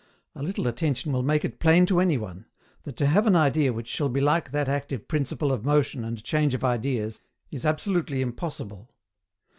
A little attention will make it plain to any one, that to have an idea which shall be like that active principle of motion and change of ideas is absolutely impossible.